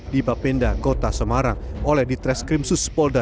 di bapenda kota semarang oleh ditreskrim suspolda